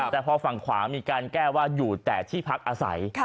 แต่พอฝั่งขวามีการแก้ว่าอยู่แต่ที่พักอาศัย